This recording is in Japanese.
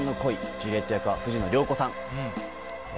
ジュリエット役は藤野涼子さん。